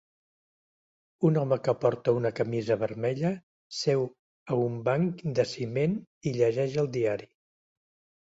Un home que porta una camisa vermella seu a un banc de ciment i llegeix el diari.